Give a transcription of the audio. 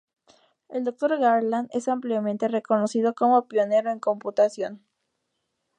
El Dr. Garland es ampliamente reconocido como pionero en computación.